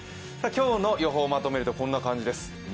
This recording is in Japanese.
今日の予報まとめるとこんな感じです。